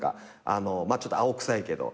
ちょっと青くさいけど。